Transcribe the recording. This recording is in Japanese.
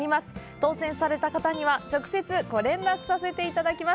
当せんされた方には直接ご連絡させていただきます。